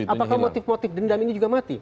apakah motif motif dendam ini juga mati